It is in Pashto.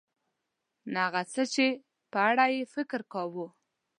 نه هغه څه چې په اړه یې فکر کوو .